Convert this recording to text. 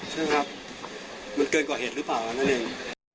ใช่ครับมันเกินกว่าเหตุหรือเปล่าอันนั้นเอง